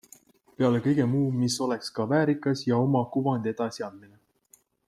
Peale kõige muu, mis oleks ka väärikas ja oma kuvand edasi andmine.